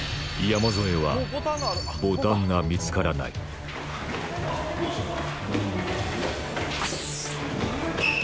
山添はボタンが見つからないクッソ！